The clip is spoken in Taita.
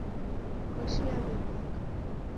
Koshi yaweboka